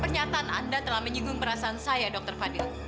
pernyataan anda telah menyinggung perasaan saya dr fadil